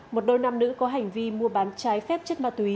một đôi nam nữ có hành vi mua bán trái phép chất ma túy